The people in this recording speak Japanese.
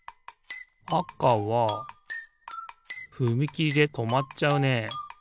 あかはふみきりでとまっちゃうね。